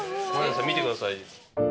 見てください。